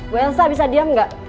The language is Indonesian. bu elsa bisa diam gak